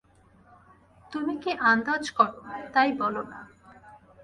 তুমি কি আন্দাজ কর, তাই বল না!